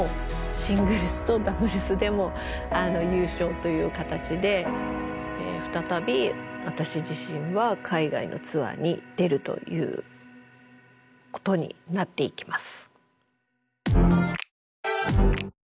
シングルスとダブルスでも優勝という形で再び私自身は海外のツアーに出るということになっていきます。